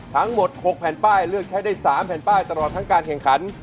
ทั้งหมด๖แผ่นป้ายเลือกใช้ได้๓แผ่นป้ายตลอดทั้งการแข่งขัน